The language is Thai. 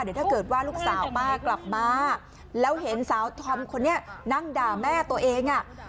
เดี๋ยวถ้าเกิดว่าลูกสาวป้ากลับมาแล้วเห็นสาวธอมคนนี้นั่งด่าแม่ตัวเองอ่ะ